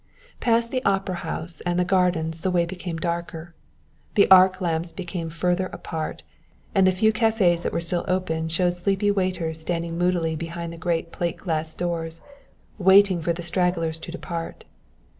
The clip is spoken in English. Past the Opera House and the gardens the way became darker. The arc lamps became further apart, and the few cafés that were still open showed sleepy waiters standing moodily behind the great plate glass windows, waiting for the stragglers to depart.